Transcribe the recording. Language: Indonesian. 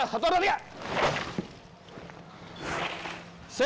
satu satu dua tiga